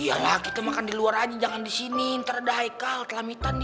iya lah kita makan di luar aja jangan di sini ntar ada haikal telamitan dia